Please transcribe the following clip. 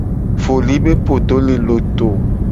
Foli be podo le loto.